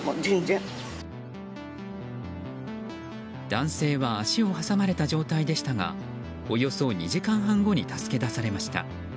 男性は足を挟まれた状態でしたがおよそ２時間半後に助け出されました。